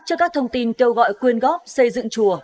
cho các thông tin kêu gọi quyên góp xây dựng chùa